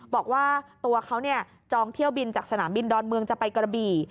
บอกว่าตัวเขาจองเที่ยวบินจากสนามบินดอนเมืองจะไปกระบี่